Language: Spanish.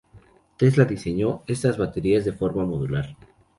Tesla diseñó estas baterías de forma modular.